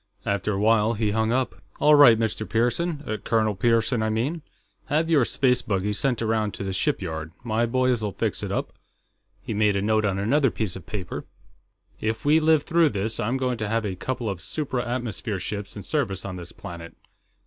After a while, he hung up. "All right, Mr. Pearson Colonel Pearson, I mean. Have your space buggy sent around to the shipyard. My boys'll fix it up." He made a note on another piece of paper. "If we live through this, I'm going to have a couple of supra atmosphere ships in service on this planet....